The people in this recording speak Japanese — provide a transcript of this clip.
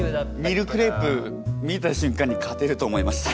ミルクレープ見た瞬間に勝てると思いました。